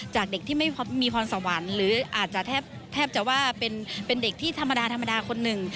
จากเด็กที่ไม่มีพรสวรรค์หรืออาจจะแทบจะว่าเป็นเด็กที่ธรรมดาธรรมดาคนหนึ่ง